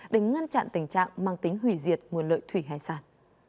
để ngăn chặn tình trạng mang tính hủy diệt nguồn lợi thủy hải sản